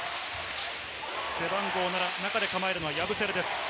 背番号７、中で構えるのはヤブセレです。